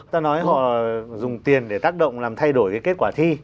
ta nói họ dùng tiền để tác động làm thay đổi cái kết quả thi